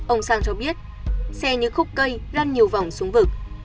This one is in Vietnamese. ông sang cho biết xe như khúc cây lăn nhiều vòng xuống vực